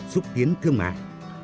xúc tiến thương mại